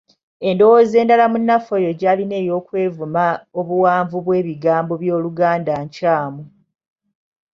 Endowooza endala munnaffe oyo gy'alina ey’okwevuma obuwanvu bw’ebigambo by’Oluganda nkyamu.